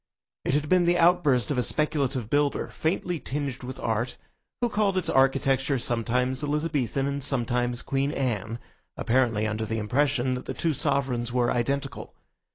It had been the outburst of a speculative builder, faintly tinged with art, who called its architecture sometimes Elizabethan and sometimes Queen Anne, apparently under the impression that the two sovereigns were identical.